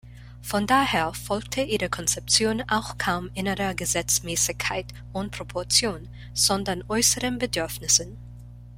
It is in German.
Von daher folgte ihre Konzeption auch kaum innerer Gesetzmäßigkeit und Proportion, sondern äußeren Bedürfnissen.